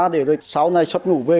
để rồi sau này xuất ngủ về